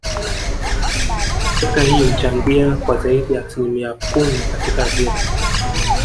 Sekta hii huchangia kwa zaidi ya asilimia kumi katika ajira